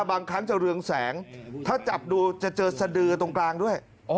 บางครั้งจะเรืองแสงถ้าจับดูจะเจอสดือตรงกลางด้วย